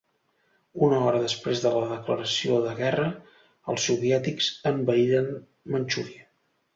Una hora després de la declaració de guerra, els soviètics envaïren Manxúria.